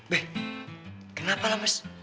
be kenapa lah mas